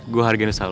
gue hargainya selalu